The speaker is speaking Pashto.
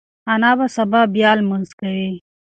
انا به سبا بیا لمونځ کوي.